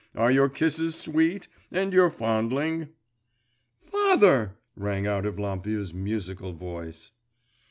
Are your kisses sweet, and your fondling?' 'Father!' rang out Evlampia's musical voice.